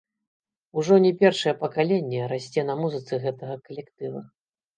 Ужо не першае пакаленне расце на музыцы гэтага калектыва.